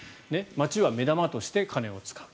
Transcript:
町は目玉として金を使う。